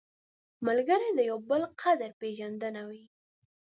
ملګری د یو بل قدر پېژندنه وي